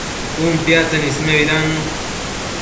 Cun piactsen ismebidannu